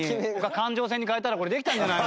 環状線に変えたらこれできたんじゃない？